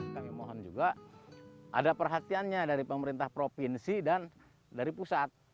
kami mohon juga ada perhatiannya dari pemerintah provinsi dan dari pusat